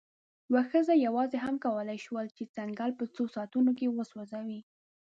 یوې ښځې یواځې هم کولی شول، چې ځنګل په څو ساعتونو کې وسوځوي.